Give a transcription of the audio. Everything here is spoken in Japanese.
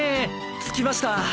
着きました。